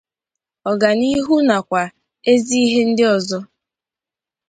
ọganihu nakwa ezi ihe ndị ọzọ